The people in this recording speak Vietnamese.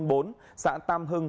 xã tam hưng huyện thủy ngọc